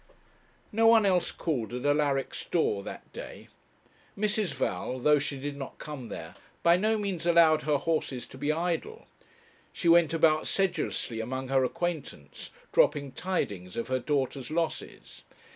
No one else called at Alaric's door that day. Mrs. Val, though she did not come there, by no means allowed her horses to be idle; she went about sedulously among her acquaintance, dropping tidings of her daughter's losses.